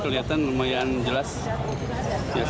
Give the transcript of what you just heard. kelihatan lumayan jelas